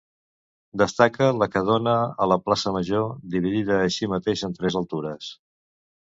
Destaca la que dóna a la Plaça Major, dividida així mateix en tres altures.